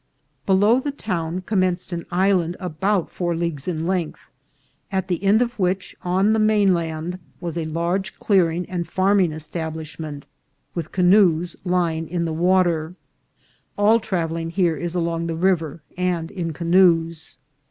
Below the town commenced an island about four leagues in length, at the end of which, on the main land, was a large clearing and farming establishment, with canoes lying on the water. All travelling here is along the river, and in canoes.